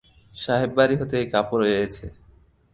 সাহেববাড়ি হতে এই কাপড় এয়েছে।